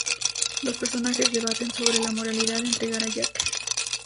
Los personajes debaten sobre la moralidad de entregar a Jack.